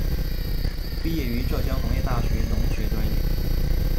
毕业于浙江农业大学农学专业。